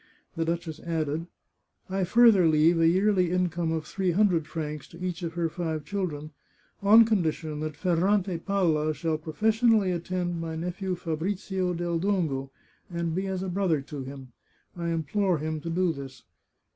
The duchess added :" I further leave a yearly income of three hundred francs to each of her five children, on condition that Ferrante Palla shall professionally attend my nephew Fabrizio del Dongo, and be as a brother to him — I implore him to do this